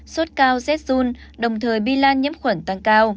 sốt cao z zun đồng thời bilan nhiễm khuẩn tăng cao